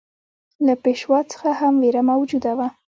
له پېشوا څخه هم وېره موجوده وه.